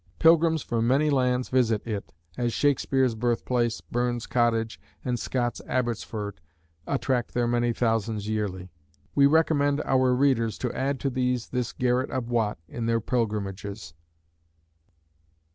Pilgrims from many lands visit it, as Shakespeare's birthplace, Burns' cottage, and Scott's Abbottsford attract their many thousands yearly. We recommend our readers to add to these this garret of Watt in their pilgrimages.